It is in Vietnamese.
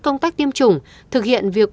công tác tiêm chủng thực hiện việc